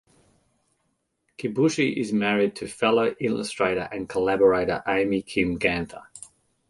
Kibuishi is married to fellow illustrator and collaborator Amy Kim Ganter.